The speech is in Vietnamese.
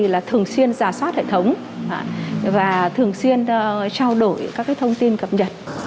là thường xuyên giả soát hệ thống và thường xuyên trao đổi các thông tin cập nhật